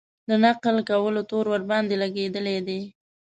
د نقل کولو تور ورباندې لګېدلی دی.